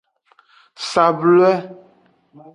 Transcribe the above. Sablwe.